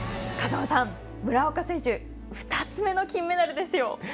風間さん、村岡選手２つ目の金メダルですよ！